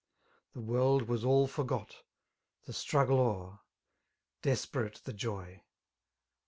The world was all forgot, the struggle o'er. Desperate the joy.